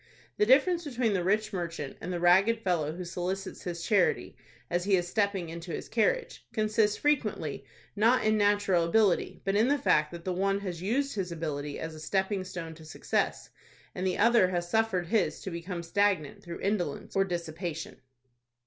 The difference between the rich merchant and the ragged fellow who solicits his charity as he is stepping into his carriage, consists, frequently, not in natural ability, but in the fact that the one has used his ability as a stepping stone to success, and the other has suffered his to become stagnant, through indolence, or dissipation.